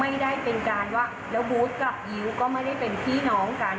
ไม่ได้เป็นการว่าแล้วบูธกับยิ้วก็ไม่ได้เป็นพี่น้องกัน